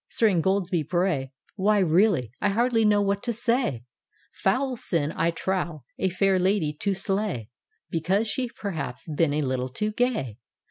Sir Ingoldsby Bray, Why really — I hardly know what to say: — Foul sin, I trow, a fair Ladye to slay. Because she's perhaps been a little too gay.